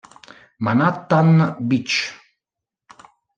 Manhattan Beach